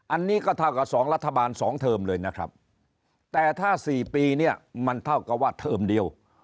อันนี้ก็เท่ากับ๒รัฐบาล๒เทอมเลยนะครับแต่ถ้า๔ปีเนี่ยมันเท่ากับว่าเทอมเดียว